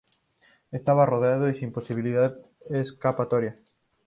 Estaba rodeado y sin posibilidad de escapatoria.